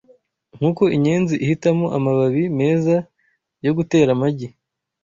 Nkuko inyenzi ihitamo amababi meza yo gutera amagi